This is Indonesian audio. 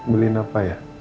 beliin apa ya